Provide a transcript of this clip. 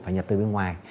phải nhập từ bên ngoài